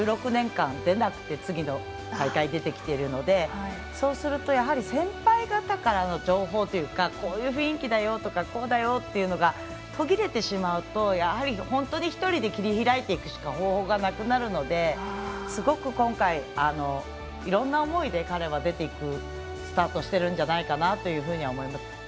１６年間、出られなくて次の大会に出てきているのでそうすると先輩方からの情報というかこういう雰囲気だよとかこうだよというのが途切れてしまうと本当に１人で切り開いていくしか方法がなくなるのですごく今回、いろんな思いで彼はスタートしているんじゃないかと思いました。